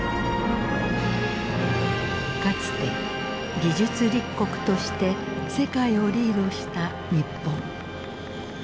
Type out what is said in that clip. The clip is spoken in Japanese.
かつて技術立国として世界をリードした日本。